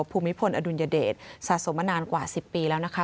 ภูมิพลอดุลยเดชสะสมมานานกว่า๑๐ปีแล้วนะคะ